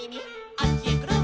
「どっちへくるん」